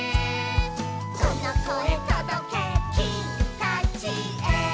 「このこえとどけきみたちへ」